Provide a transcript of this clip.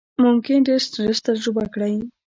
ممکن ډېر سټرس تجربه کړئ،